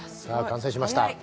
さあ完成しました。